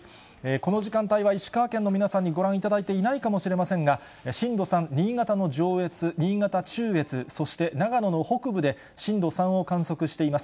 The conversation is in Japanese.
この時間帯は、石川県の皆さんにご覧いただいていないかもしれませんが、震度３、新潟の上越、新潟中越、そして長野の北部で震度３を観測しています。